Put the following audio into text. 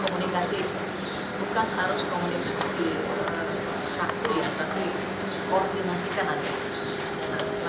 komunikasi bukan harus komunikasi praktis tapi koordinasikan ada